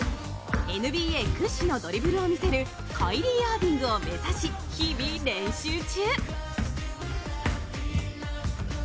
ＮＢＡ屈指のドリブルを見せるカイリー・アービングを目指し日々練習中！